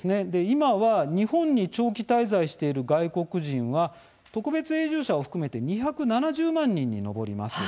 今は日本に長期滞在している外国人は特別永住者を含めて２７０万人に上ります。